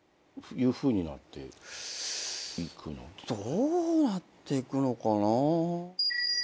どうなっていくのかな。